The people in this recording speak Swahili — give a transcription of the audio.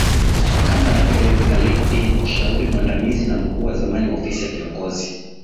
kama anavyoeleza Thalif Deen mshauri mwandamizi na mkuu wa zamani wa ofisi ya kiongozi